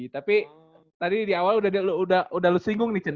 tapi tadi di awal udah lu singgung nih cen